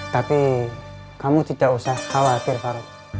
tapi kamu tidak usah khawatir faroup